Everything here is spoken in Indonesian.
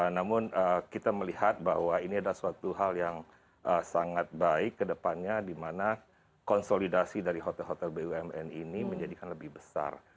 namun kita melihat bahwa ini adalah suatu hal yang sangat baik kedepannya di mana konsolidasi dari hotel hotel bumn ini menjadikan lebih besar